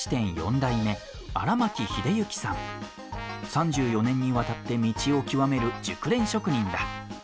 ３４年にわたって道を究める熟練職人だ。